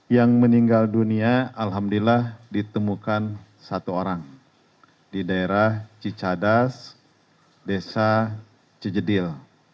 yang meninggal dunia alhamdulillah ditemukan satu orang di daerah cicadas desa cijedil